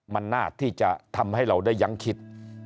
มันน่าที่จะทำให้เราได้ยังคิด